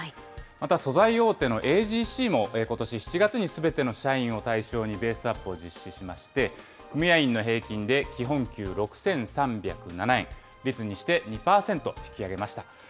また素材大手のＡＧＣもことし７月にすべての社員を対象にベースアップを実施しまして、組合員の平均で基本給６３０７円、率にして２％引き上げました。